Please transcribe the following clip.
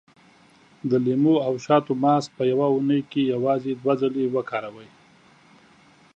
د لیمو او شاتو ماسک په يوه اونۍ کې یوازې دوه ځلې وکاروئ.